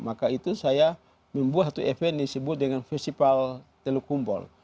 maka itu saya membuat satu event yang disebut dengan festival teluk kumbol